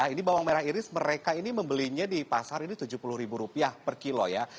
ini bawang merah iris mereka ini membelinya di pasar ini rp tujuh puluh per kilo ya